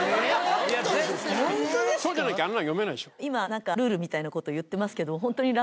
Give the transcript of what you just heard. そうじゃなきゃあんなの読めないでしょ。